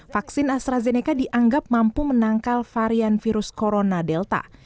vaksin astrazeneca dianggap mampu menangkal varian virus corona delta